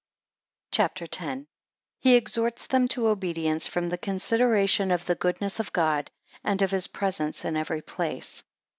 CHAPTER X. He exhorts them to obedience, from the consideration of the goodness of God, and of his presence in every place.